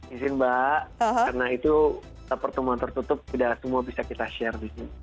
isin mbak karena itu pertemuan tertutup tidak semua bisa kita share disini